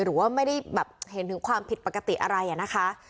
หรือว่าไม่ได้แบบเห็นถึงความผิดปกติอะไรนะคะ